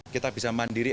kita bisa mandiri